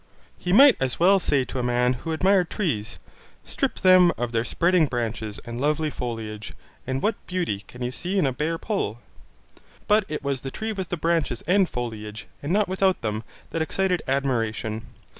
He might as well say to a man who admired trees: strip them of their spreading branches and lovely foliage, and what beauty can you see in a bare pole? But it was the tree with the branches and foliage, and not without them, that excited admiration.